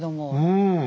うん。